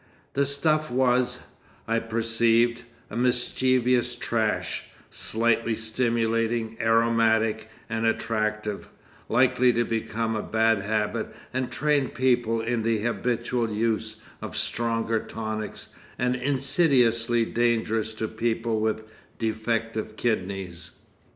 The stuff was, I perceived, a mischievous trash, slightly stimulating, aromatic and attractive, likely to become a bad habit and train people in the habitual use of stronger tonics and insidiously dangerous to people with defective kidneys.